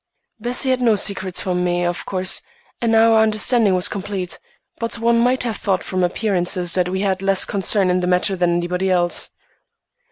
Bessie had no secrets from me, of course, and our understanding was complete, but one might have thought from appearances that we had less concern in the matter than anybody else.